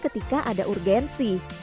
ketika ada urgensi